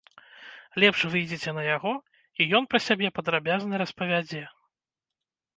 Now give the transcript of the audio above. Лепш выйдзіце на яго, і ён пра сябе падрабязна распавядзе.